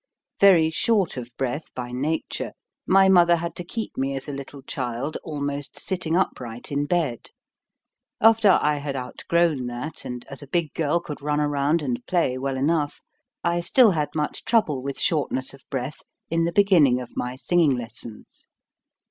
Very short of breath by nature, my mother had to keep me as a little child almost sitting 23 24 HOW TO SING upright in bed. After I had outgrown that and as a big girl could run around and play well enough, I still had much trouble with shortness of breath in the beginning of my sing ing lessons.